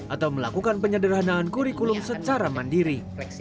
atau melakukan penyederhanaan kurikulum secara mandiri